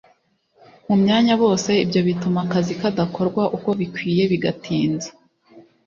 mu myanya bose ibyo bituma akazi kadakorwa uko bikwiye bigatinza